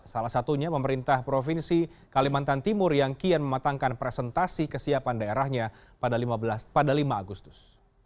salah satunya pemerintah provinsi kalimantan timur yang kian mematangkan presentasi kesiapan daerahnya pada lima agustus